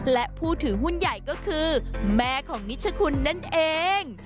และผู้ถือหุ้นใหญ่ก็คือแม่ของนิชคุณนั่นเอง